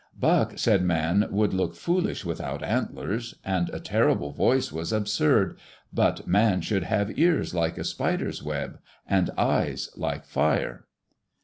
Buck said man would look foolish without antlers. And a terrible voice was absurd, but man should have ears like a spider's web, and eyes like fire.